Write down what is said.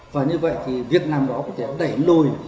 và như vậy thì việt nam đó có thể đẩy lôi